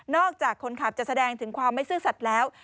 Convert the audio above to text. จากคนขับจะแสดงถึงความไม่ซื่อสัตว์แล้ว